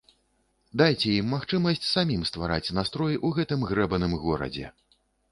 Дайце ім магчымасць самім ствараць настрой у гэтым грэбаным горадзе.